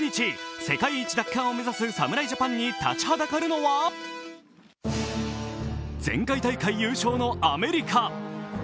世界一奪還を目指す侍ジャパンに立ちはだかるのは前回大会優勝のアメリカ。